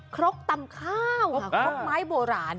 ครกตำข้าวครกไม้โบราณ